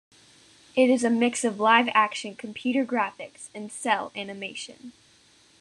It is a mix of live-action, computer graphics, and cel animation.